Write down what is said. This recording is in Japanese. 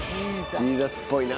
ジーザスっぽいな。